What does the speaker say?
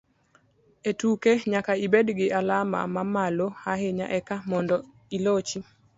E tuke, nyaka ibed gi alama mamalo ahinya eka mondo ilochi